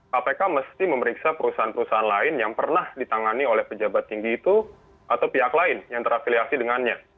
kpk mesti memeriksa perusahaan perusahaan lain yang pernah ditangani oleh pejabat tinggi itu atau pihak lain yang terafiliasi dengannya